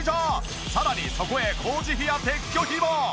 さらにそこへ工事費や撤去費も！